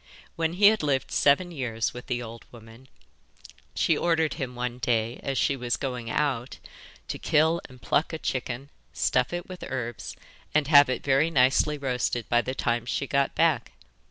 When he had lived seven years with the old woman she ordered him one day, as she was going out, to kill and pluck a chicken, stuff it with herbs, and have it very nicely roasted by the time she got back.